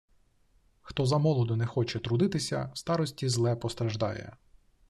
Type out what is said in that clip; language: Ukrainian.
Хто замолоду не хоче трудитися, в старості зле постраждає.